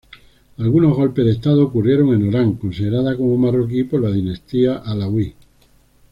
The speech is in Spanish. Algunos golpes de estado ocurrieron en Orán, considerada como marroquí por la dinastía alauí.